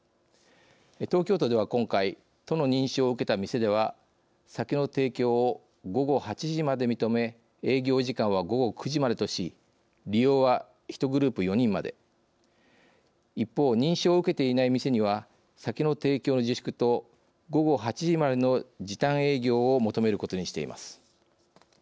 東京都では、今回都の認証を受けた店では酒の提供を午後８時まで認め営業時間は午後９時までとし利用は１グループ４人まで一方、認証を受けていない店には酒の提供の自粛と午後８時までの時短営業を求めることにしています。